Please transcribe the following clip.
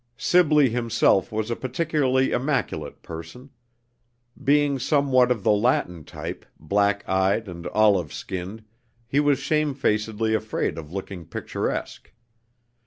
Sibley himself was a particularly immaculate person. Being somewhat of the Latin type, black eyed and olive skinned, he was shamefacedly afraid of looking picturesque.